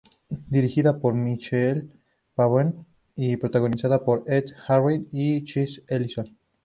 Dirigida por Michael Pavone y protagonizada por Ed Harris y Chase Ellison.